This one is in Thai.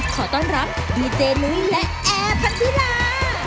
ขอต้อนรับดีเจนุ้ยและแอร์พัทธิดา